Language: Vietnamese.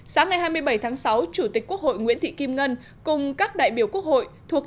sáng ngày hai mươi bảy tháng sáu chủ tịch quốc hội nguyễn thị kim ngân cùng các đại biểu quốc hội thuộc